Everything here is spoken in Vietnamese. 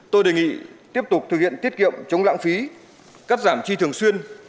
tôi đề nghị tiếp tục thực hiện tiết kiệm chống lãng phí cắt giảm chi thường xuyên